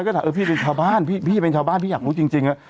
ก็ถามเออพี่เป็นชาวบ้านพี่พี่เป็นชาวบ้านพี่อยากรู้จริงจริงน่ะอ่า